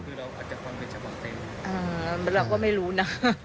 คือเราอาจจะฟังเป็นฉบังเต็ม